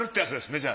そうですね。